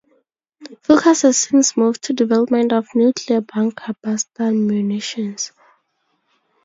Focus has since moved to development of nuclear bunker buster munitions.